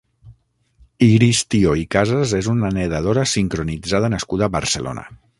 Iris Tió i Casas és una nedadora sincronitzada nascuda a Barcelona.